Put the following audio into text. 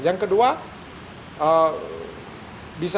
yang kedua bisa